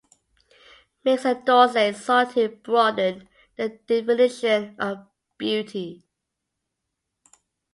Mix and Dorsey sought to, broaden...the definition of beauty.